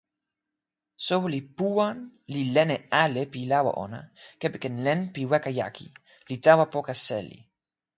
soweli Puwan li len e ale pi lawa ona kepeken len pi weka jaki, li tawa poka seli.